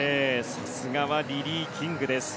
さすがはリリー・キングです。